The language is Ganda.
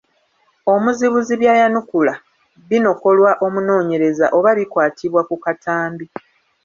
Omuzibuzi by’ayanukula binokolwa omunoonyereza oba bikwatibwa ku katambi.